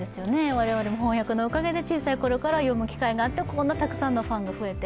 我々も翻訳のおかげで小さいころから読む機会があって、こんなたくさんのファンが増えて。